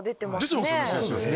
出てますよね先生。